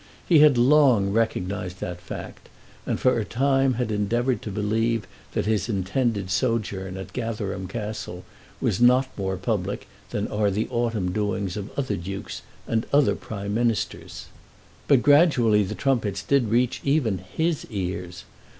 He had long recognised that fact, and for a time endeavoured to believe that his intended sojourn at Gatherum Castle was not more public than are the autumn doings of other dukes and other prime ministers. But gradually the trumpets did reach even his ears.